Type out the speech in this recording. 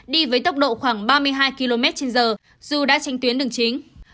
đi với tốc độ khoảng ba mươi hai km trên giờ dù đã trên tuyến đường chính